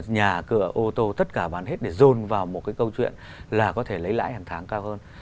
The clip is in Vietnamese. nhà cửa ô tô tất cả bán hết để dồn vào một cái câu chuyện là có thể lấy lãi hàng tháng cao hơn